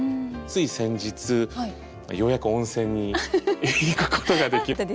つい先日ようやく温泉に行くことができまして。